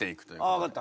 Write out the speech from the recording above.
あ分かった。